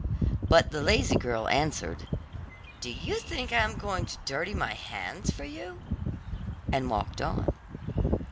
But the lazy girl answered, 'Do you think I am going to dirty my hands for you?' and walked on.